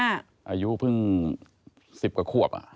อายุเพิ่ง๑๐กว่าขวบ